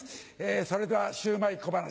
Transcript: それではシューマイ小噺。